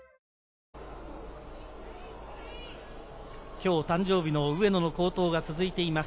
今日誕生日の上野の好投が続いています。